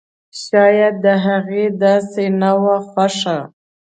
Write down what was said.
شايد د هغې داسې نه وه خوښه!